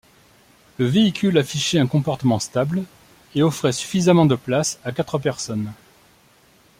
Le véhicule affichait un comportement stable et offrait suffisamment de place à quatre personnes.